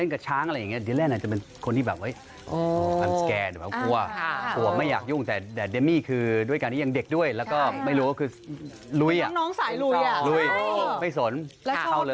ก็จะเห็นดีเล่นคือดีเล่นยังมีความกลัวในหลายอย่าง